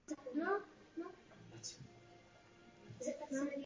Sovětům se dokonce podařilo poprvé od začátku války vstoupit na převálené území Německa.